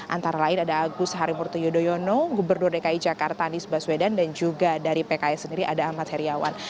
antara lain ada agus harimurtyudoyono gubernur dki jakarta nisba suedan dan juga dari pki sendiri ada ahmad heriawan